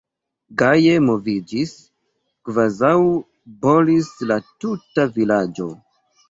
Gaje moviĝis, kvazaŭ bolis la tuta vilaĝo!